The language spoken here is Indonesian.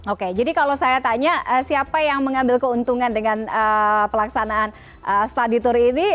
oke jadi kalau saya tanya siapa yang mengambil keuntungan dengan pelaksanaan study tour ini